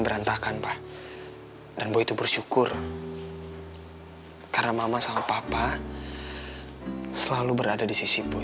berantakan pak dan boy bersyukur karena mama sama papa selalu berada di sisi boy